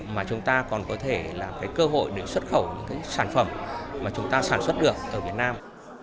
mà chúng ta còn có thể là cơ hội để xuất khẩu những sản phẩm mà chúng ta sản xuất được ở việt nam